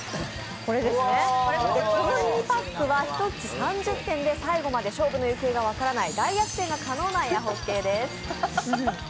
このミニパックは１つ３０点で最後まで勝負のゆくえが分からない、大逆転が可能な「エアホッケー」です。